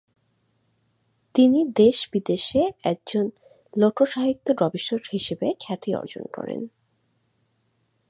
তিনি দেশে-বিদেশে একজন লোকসাহিত্য-গবেষক হিসেবে খ্যাতি অর্জন করেন।